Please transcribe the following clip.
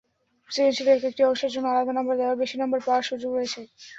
সৃজনশীলে একেকটি অংশের জন্য আলাদা নম্বর দেওয়ায় বেশি নম্বর পাওয়ার সুযোগ রয়েছে।